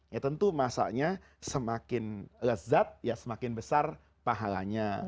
ya tentu masaknya semakin lezat ya semakin besar pahalanya